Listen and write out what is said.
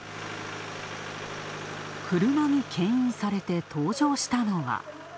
車にけん引されて登場したのは。